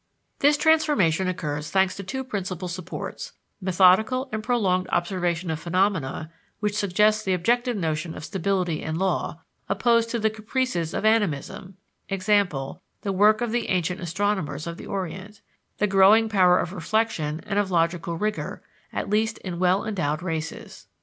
This transformation occurs thanks to two principal supports: methodical and prolonged observation of phenomena, which suggests the objective notion of stability and law, opposed to the caprices of animism (example: the work of the ancient astronomers of the Orient); the growing power of reflection and of logical rigor, at least in well endowed races.